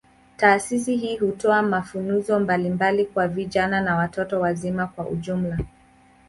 Taasisi hii hutoa mafunzo mbalimbali kwa vijana na watu wazima kwa ujumla.